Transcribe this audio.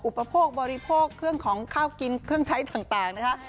อุปโภคบริโภคเครื่องของข้าวกินเครื่องใช้ต่างนะคะ